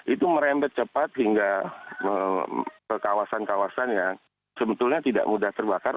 itu merembet cepat hingga ke kawasan kawasan yang sebetulnya tidak mudah terbakar